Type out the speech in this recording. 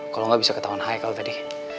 kalo gak bisa ketahuan hai kalo tadi